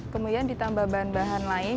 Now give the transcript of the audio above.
kemudian ditambah bahan bahan lain